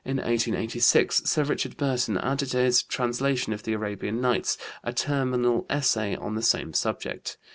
In 1886 Sir Richard Burton added to his translation of the Arabian Nights a Terminal Essay on the same subject.